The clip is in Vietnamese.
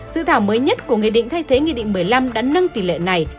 dự thảo mới nhất của nghị định thay thế nghị định một mươi năm đã nâng tỷ lệ này